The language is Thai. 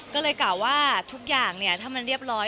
ก็เลยกล่าวว่าทุกอย่างถ้ามันเรียบร้อย